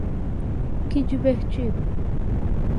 Que divertido?